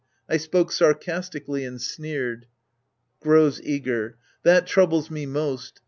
I spoke sarcastically and sneered. {Grows eager.) That troubles me most.